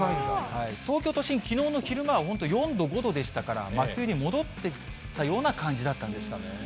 東京都心、きのうの昼間は本当、４度、５度でしたから、真冬に戻ったような感じだったんですよね。